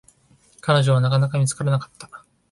彼女は、なかなか見つからなかった。